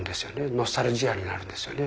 ノスタルジアになるんですよね。